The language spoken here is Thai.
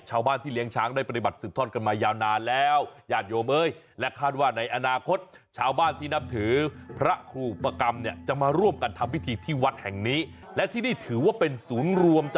ชาวบ้านที่เลี้ยงช้างได้ปฏิบัติศึกทอดกันมายาวนานแล้ว